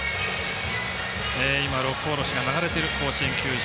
今「六甲おろし」が流れている甲子園球場。